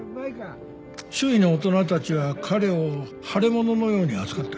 周囲の大人たちは彼を腫れ物のように扱った。